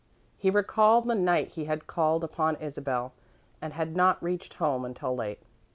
He recalled the night he had called upon Isabel and had not reached home until late.